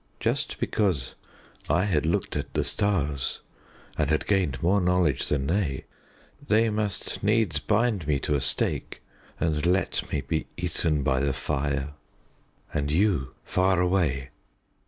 Just because I had looked at the stars and had gained more knowledge than they, they must needs bind me to a stake and let me be eaten by the fire. And you far away!"